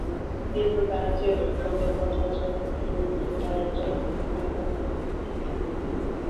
কিন্তু তার চেয়েও বিপদের কথা, জনমত জরিপে তাঁর জনপ্রিয়তা ক্রমেই ভাটার দিকে।